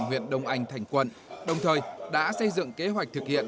huyện đông anh thành quận đồng thời đã xây dựng kế hoạch thực hiện